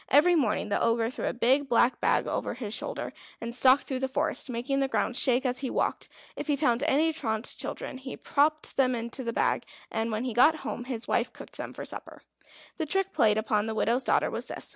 Every morning the Ogre threw a big black bag over his shoulder, and stalked through the forest, making the ground shake as he walked. If he found any truant children he popped them into his bag, and when he got home his wife cooked them for supper. The trick played upon the widow's daughter was this.